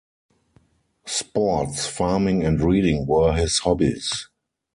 Sports, farming and reading were his hobbies.